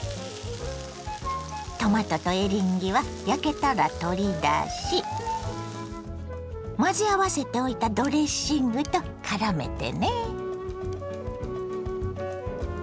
トマトとエリンギは焼けたら取り出し混ぜ合わせておいたドレッシングとからめてね。